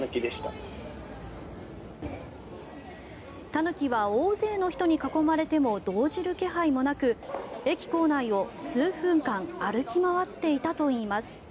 タヌキは大勢の人に囲まれても動じる気配もなく駅構内を数分間歩き回っていたといいます。